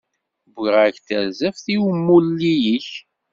Wwiɣ-ak-d tarzeft i umulli-k.